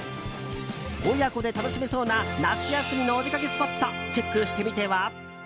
親子で楽しめそうな夏休みのお出かけスポットチェックしてみては？